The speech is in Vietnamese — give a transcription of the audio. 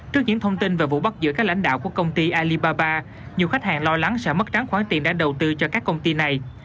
trước những thông tin về vụ bắt giữa các lãnh đạo của công ty alibaba nhiều khách hàng lo lắng sẽ mất trắng khoản tiền đã đầu tư cho các công ty này